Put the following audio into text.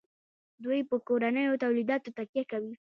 دوی په کورنیو تولیداتو تکیه کوي.